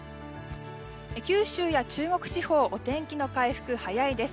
九州や中国地方はお天気の回復が早いです。